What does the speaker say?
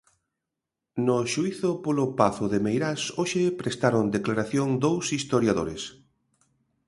No xuízo polo pazo de Meirás hoxe prestaron declaración dous historiadores.